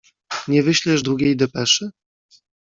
"Nie wyślesz drugiej depeszy?"